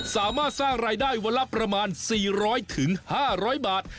สามารถสร้างรายได้วันละประมาณ๔๐๐๕๐๐บาท